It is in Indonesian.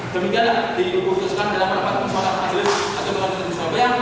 demikianlah dikutuskan dalam rapat persoalan asli atau konsumsi surabaya